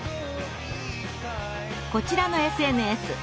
こちらのＳＮＳ。